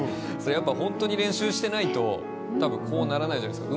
本当に練習してないと、たぶんこうならないじゃないですか。